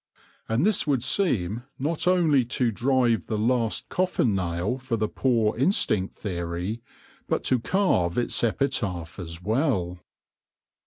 And this would seem not only to drive the last coffin nail for the poor instinct theory, but to carve its epitaph as well.